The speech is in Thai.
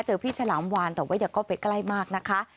เจอพี่ฉลามวานแต่ไว้เดี๋ยวก็ไปใกล้มากนะคะ